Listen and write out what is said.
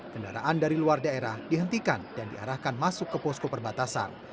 kendaraan dari luar daerah dihentikan dan diarahkan masuk ke posko perbatasan